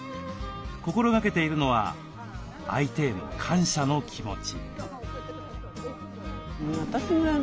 心がけているのは相手への感謝の気持ち。